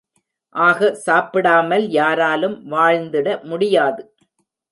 ஆக சாப்பிடாமல் யாராலும், வாழ்ந்திட முடியாது.